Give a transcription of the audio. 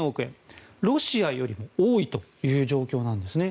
ロシアよりも多いという状況なんですね。